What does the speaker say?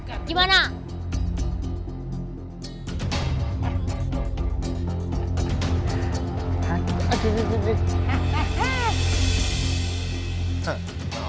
aduh aduh aduh aduh aduh